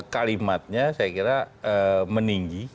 kalimatnya saya kira meninggi